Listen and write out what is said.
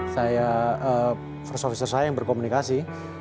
saya first officer saya yang berkomunikasi